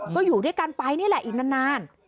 ก็อยู่ด้วยกันไปนี่แหละอีกนาน